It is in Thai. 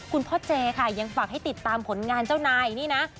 คุณพ่อเจค่ะยังฝากให้ติดตามผลงานเจ้านายนี่นะ